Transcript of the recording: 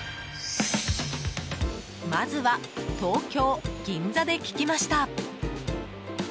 まずは東京・銀座で聞きました。